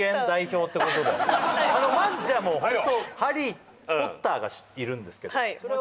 まずじゃあもうホントハリー・ポッターがいるんですけどはい